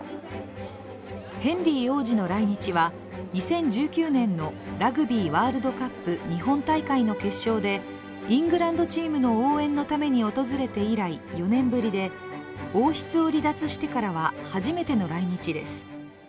ヘンリー王子の来日は２０１９年のラグビーワールドカップ日本大会の決勝でイングランドチームの応援のために訪れて以来、４年ぶりで王室を離脱してからは初めての来日です。